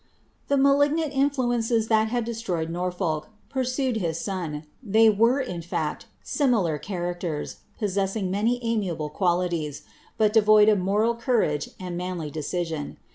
The malignant influences that had destroyed Norfolk, pursued his son. They were, in fact, similar characters, possessing many amiable qualities, but devoid of moral courage and manly decision.